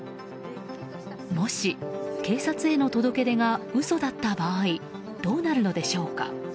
もし、警察への届け出が嘘だった場合どうなるのでしょうか。